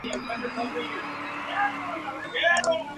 En los meses siguientes Colvin quedó embarazada.